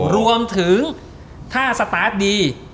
รวมถึงถ้าสตาร์ทดี